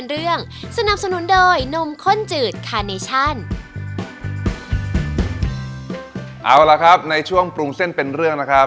เอาละครับในช่วงปรุงเส้นเป็นเรื่องนะครับ